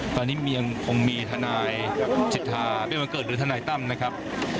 ตอนนี้มีมีทันายจิทธางบิบันเกิดหรือทันายตั้นนะครับ